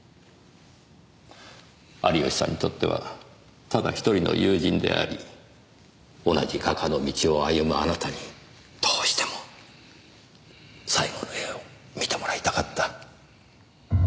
有吉さんにとってはただひとりの友人であり同じ画家の道を歩むあなたにどうしても最後の絵を見てもらいたかった。